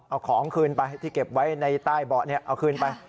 เอาของคืนไปที่เก็บไว้ในใต้เบาะนี้เอาคืนไป